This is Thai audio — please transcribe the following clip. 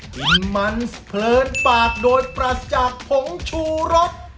กินมันเพลินปากโดยปรัสจากผงชูรส